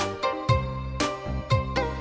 những thông tin